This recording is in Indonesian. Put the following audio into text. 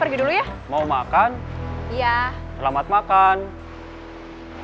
pergi dulu ya mau makan iya selamat makan